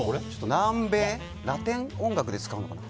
南米ラテン音楽で使うのかな。